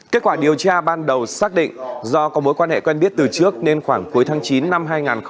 kết quả điều tra ban đầu xác định do có mối quan hệ quen biết từ trước nên khoảng cuối tháng chín năm hai nghìn hai mươi ba